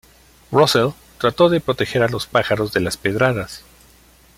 Russell trató de proteger a los pájaros de las pedradas.